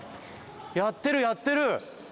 やってるやってる！